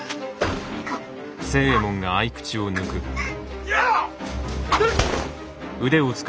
逃げろ！